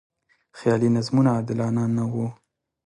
خیالي نظمونه عادلانه نه و.